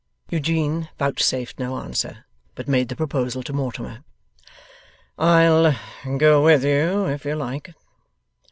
Eugene vouchsafed no answer; but made the proposal to Mortimer, 'I'll go with you, if you like?